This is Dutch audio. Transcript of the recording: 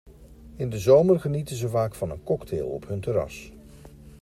In de zomer genieten ze vaak van een cocktail op hun terras.